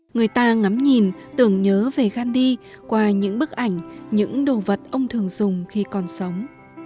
người ta ngắm nhìn tưởng nhớ về gandhi qua những bức ảnh những đồ vật ông thường dùng khi còn sống